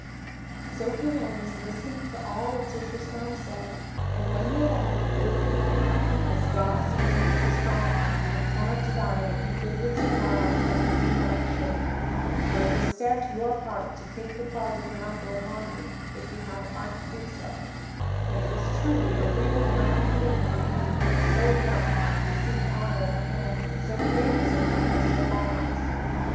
So King Angus listened to all that Sir Tristram said, and when he had ended, quoth he: "As God sees me, Tristram, I cannot deny that you did with Sir Marhaus as a true knight should. For it was certes your part to take the cause of your uncle upon you if you had the heart to do so, and it was truly a real knightly thing for you who were so young to seek honor at the hands of so famous a knight as Sir Marhaus.